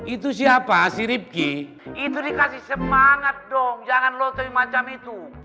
itu siapa si rifqi itu dikasih semangat dong jangan lo coi macam itu